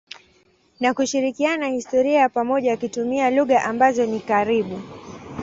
na kushirikiana historia ya pamoja wakitumia lugha ambazo ni karibu.